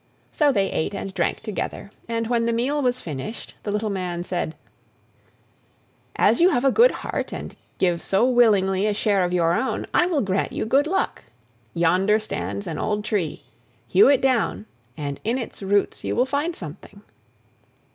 So they ate and drank together, and when the meal was finished, the little man said: "As you have a good heart and give so willingly a share of your own, I will grant you good luck. Yonder stands an old tree; hew it down, and in its roots you will find something."